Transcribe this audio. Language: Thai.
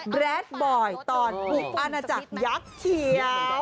แบร์ดบอยตอนปุ๊บอาณาจักรยักษ์เขียว